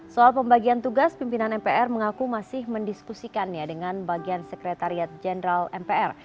soal pembagian tugas pimpinan mpr mengaku masih mendiskusikannya dengan bagian sekretariat jenderal mpr